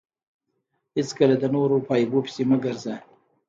هېڅکله د نورو په عیبو پيسي مه ګرځه!